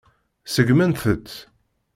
Seggment-t.